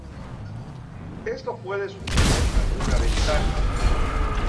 Esto puede suponer alguna ventaja.